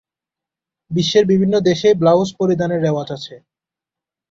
বিশ্বের বিভিন্ন দেশেই ব্লাউজ পরিধানের রেওয়াজ আছে।